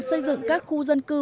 xây dựng các khu dân cư